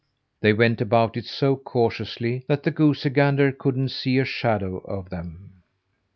They went about it so cautiously that the goosey gander couldn't see a shadow of them.